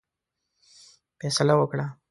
فیصله وکړه.